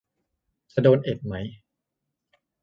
จะโดนเอ็ดไหม